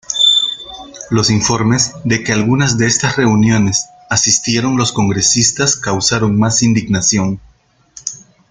Los informes de que algunas de estas reuniones asistieron los congresistas causaron más indignación.